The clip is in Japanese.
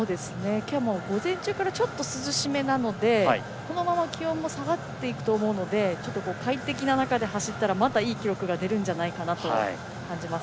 今日が午前中からちょっと涼しめなのでこのまま気温も下がっていくと思うのでちょっと快適な中で走ったらまたいい記録が出るんじゃないかと感じます。